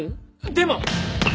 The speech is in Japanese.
でも！